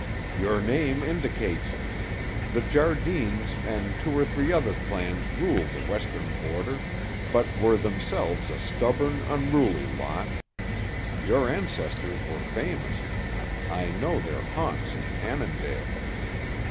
"Your name indicates it. The Jardines and two or three other clans ruled the Western Border, but were themselves a stubborn, unruly lot. Your ancestors were famous. I know their haunts in Annandale."